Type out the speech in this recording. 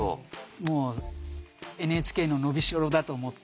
もうＮＨＫの伸び代だと思って。